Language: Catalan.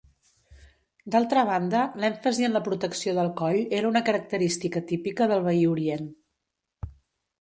D'altra banda, l'èmfasi en la protecció del coll era una característica típica del veí orient.